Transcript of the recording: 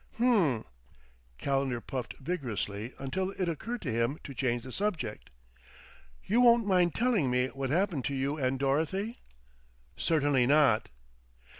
"Hmm!" Calendar puffed vigorously until it occurred to him to change the subject. "You won't mind telling me what happened to you and Dorothy?" "Certainly not."